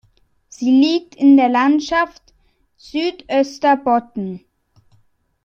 Sie liegt in der Landschaft Südösterbotten.